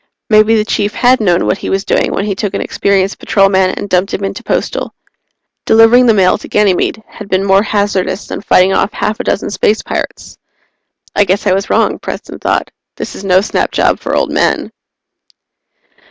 Maybe the Chief had known what he was doing when he took an experienced Patrol man and dumped him into Postal. Delivering the mail to Ganymede had been more hazardous than fighting off half a dozen space pirates. I guess I was wrong, Preston thought. _This is no snap job for old men.